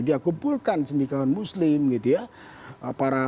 dia kumpulkan cendikawan muslim gitu ya